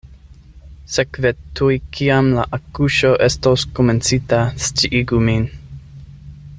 Sekve tuj kiam la akuŝo estos komencita, sciigu min.